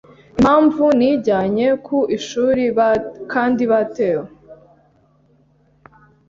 impamvu nijyanye ku ishuri kandi batewe